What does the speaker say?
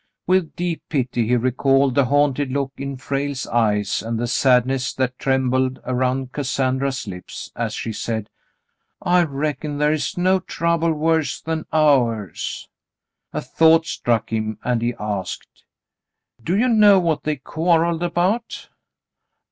With deep pity he recalled the haunted look in Frale's eyes, and the sadness that trembled around Cassandra's lips as she said, "I reckon there is no trouble worse than ours." A thought struck him, and he asked :— "Do you know what they quarrelled about?"